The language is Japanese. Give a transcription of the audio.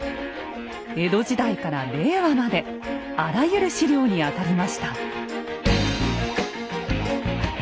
江戸時代から令和まであらゆる資料にあたりました。